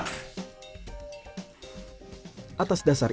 saat musim datang